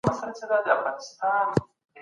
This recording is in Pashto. اتلس عدد دئ.